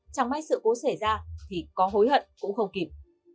trong mấy sự cố xảy ra thì có hối hận cũng không kịp